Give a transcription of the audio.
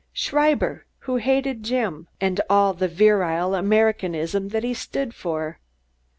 Schreiber, who hated Jim and all the virile Americanism that he stood for.